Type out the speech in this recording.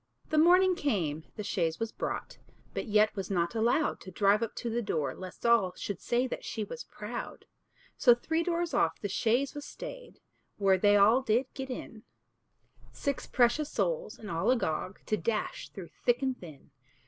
The morning came, the chaise was brought, But yet was not allowed To drive up to the door, lest all Should say that she was proud. So three doors off the chaise was stayed, Where they did all get in; Six precious souls, and all agog To dash through thick and thin.